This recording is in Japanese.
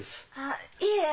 あっいいえ。